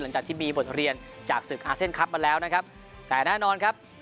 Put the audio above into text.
หลังจากที่มีบทเรียนจากศึกอาเซียนคลับมาแล้วนะครับแต่แน่นอนครับ